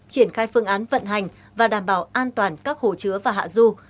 triển khai phương án vận hành và đảm bảo an toàn các hồ chứa và hạ du